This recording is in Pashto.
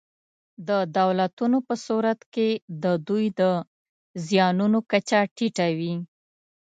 د دولتونو په صورت کې د دوی د زیانونو کچه ټیټه وي.